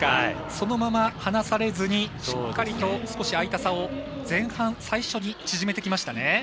そのまま離されずにしっかりと少しあいた差に前半最初に縮めてきましたね。